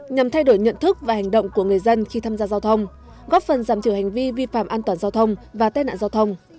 nhằm thay đổi nhận thức và hành động của người dân khi tham gia giao thông góp phần giảm thiểu hành vi vi phạm an toàn giao thông và tết nạn giao thông